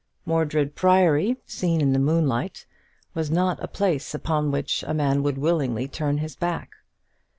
Mordred Priory, seen in the moonlight, was not a place upon which a man would willingly turn his back.